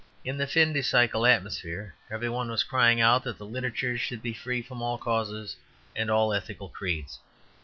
In the fin de siecle atmosphere every one was crying out that literature should be free from all causes and all ethical creeds.